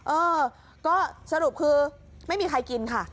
เออก็สรุปคือไม่มีใครกินค่ะ